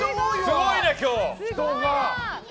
すごいな、今日。